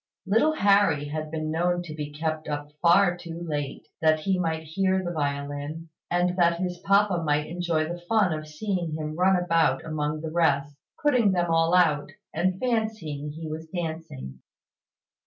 Little Harry had been known to be kept up far too late, that he might hear the violin, and that his papa might enjoy the fun of seeing him run about among the rest, putting them all out, and fancying he was dancing.